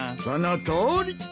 そのとおり！